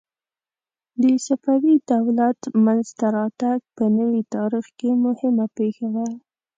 د صفوي دولت منځته راتګ په نوي تاریخ کې مهمه پېښه وه.